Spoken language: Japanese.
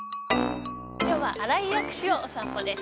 今日は新井薬師をお散歩です。